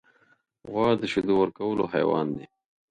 غوا د شیدو ورکولو حیوان دی.